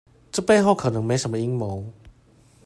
這背後可能沒什麼陰謀